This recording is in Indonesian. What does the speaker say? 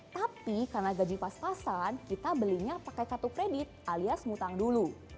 tapi karena gaji pas pasan kita belinya pakai kartu kredit alias mutang dulu